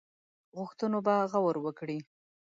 غوښتنو به غور وکړي.